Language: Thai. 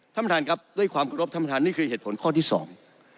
ท่านประธานครับด้วยความขอรบท่านประธานนี่คือเหตุผลข้อที่สอง